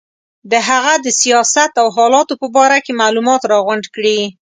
د هغه د سیاست او حالاتو په باره کې معلومات راغونډ کړي.